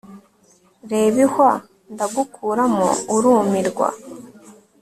Reba ihwa ndagukuramo urumirwa